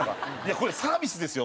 これサービスですよ。